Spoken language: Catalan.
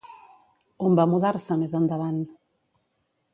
On va mudar-se més endavant?